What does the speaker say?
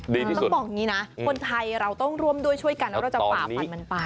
ต้องบอกอย่างนี้นะคนไทยเราต้องร่วมด้วยช่วยกันแล้วเราจะฝ่าฟันมันไป